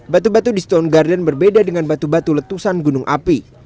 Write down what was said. batu batu di stone garden berbeda dengan batu batu letusan gunung api